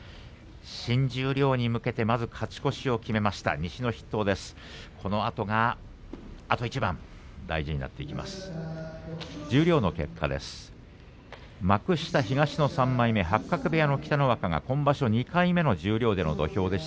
新十両に向けてまず勝ち越しを決めました西の筆頭です。